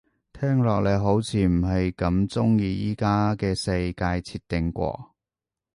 聽落你好似唔係咁鍾意而家嘅世界設定喎